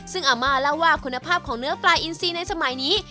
ซึ่งอาม่าเล่าว่าคุณภาพของเนื้อปลาอินซีในสมัยนี้